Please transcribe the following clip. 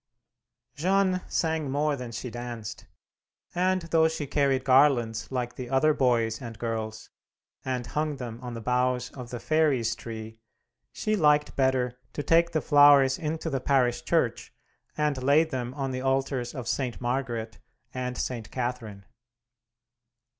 Jeanne sang more than she danced, and though she carried garlands like the other boys and girls, and hung them on the boughs of the Fairies' Tree, she liked better to take the flowers into the parish church and lay them on the altars of St. Margaret and St. Catherine.